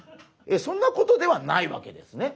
そんなことではないわけですね